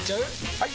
・はい！